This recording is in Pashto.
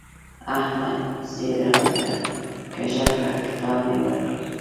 احمد ږيره راته کږه کړه؛ کتاب مې ورکړ.